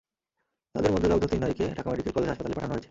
তাঁদের মধ্যে দগ্ধ তিন নারীকে ঢাকা মেডিকেল কলেজ হাসপাতালে পাঠানো হয়েছে।